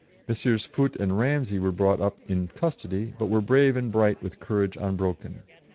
Messrs. Foote and Ramsey were brought up in custody, but were brave and bright with courage unbroken.